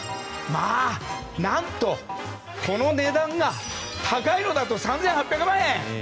何と、この値段が高いものだと３８００万円。